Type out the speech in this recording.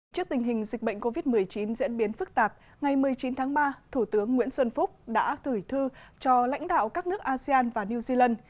trước tình hình dịch bệnh covid một mươi chín diễn biến phức tạp ngày một mươi chín tháng ba thủ tướng nguyễn xuân phúc đã thử thư cho lãnh đạo các nước asean và new zealand